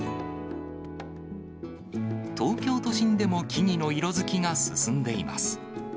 東京都心でも木々の色づきが進んでいます。